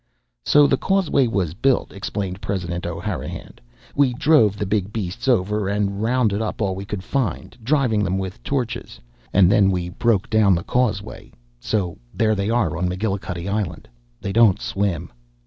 "So the causeway was built," explained President O'Hanrahan. "We drove the big beasts over, and rounded up all we could find drivin' them with torches and then we broke down the causeway. So there they are on McGillicuddy Island. They don't swim."